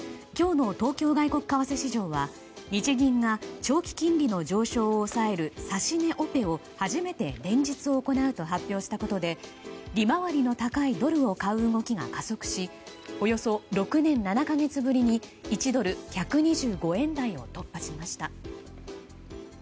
今日の東京外国為替市場は日銀が長期金利の上昇を抑える指し値オペを初めて連日行うと発表したことで利回りの高いドルを買う動きが加速しおよそ６年７か月ぶりに１ドル＝１２５円台を突破しました。